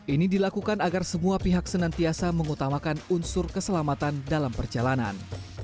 ini dilakukan agar semua pihak senantiasa mengutamakan unsur keselamatan dalam perjalanan